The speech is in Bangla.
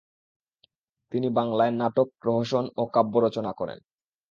তিনি বাংলায় নাটক, প্রহসন ও কাব্যরচনা করেন।